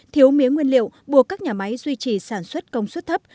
thiếu mía nguyên liệu buộc các nhà máy duy trì sản xuất công suất thấp